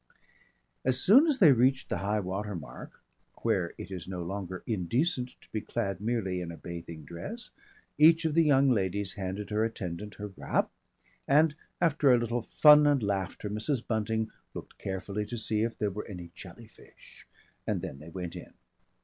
As soon as they reached the high water mark where it is no longer indecent to be clad merely in a bathing dress, each of the young ladies handed her attendant her wrap, and after a little fun and laughter Mrs. Bunting looked carefully to see if there were any jelly fish, and then they went in.